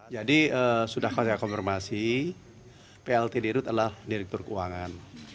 jadi sudah saya konfirmasi plt dirut adalah direktur keuangan